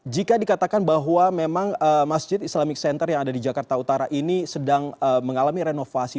jika dikatakan bahwa memang masjid islamic center yang ada di jakarta utara ini sedang mengalami renovasi